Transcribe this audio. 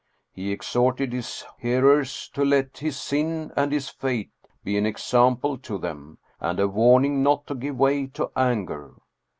He exhorted his hearers to let his sin and his fate be an example to them, and a warning not to give way to anger.